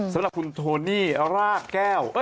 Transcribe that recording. สำหรับคุณโทนี่ราดแก้ว